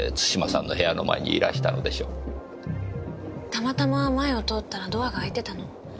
たまたま前を通ったらドアが開いてたの。